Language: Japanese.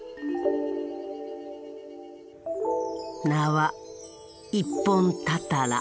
名は一本たたら。